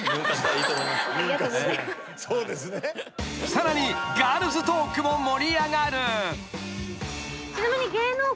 ［さらにガールズトークも盛り上がる］